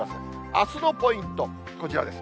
あすのポイント、こちらです。